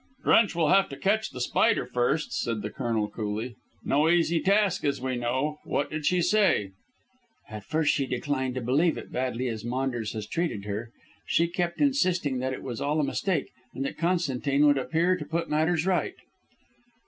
"Drench will have to catch The Spider first," said the Colonel coolly. "No easy task, as we know. What did she say?" "At first she declined to believe it, badly as Maunders has treated her. She kept insisting that it was all a mistake and that Constantine would appear to put matters right."